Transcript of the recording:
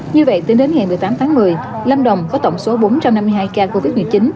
như vậy tính đến ngày một mươi tám tháng một mươi lâm đồng có tổng số bốn trăm năm mươi hai ca covid một mươi chín